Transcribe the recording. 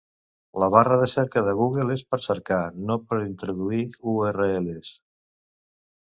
La barra de cerca de Google és per cercar, no per introduir URLs!